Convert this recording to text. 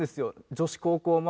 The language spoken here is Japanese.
女子高校前